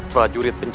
pak jurid pencari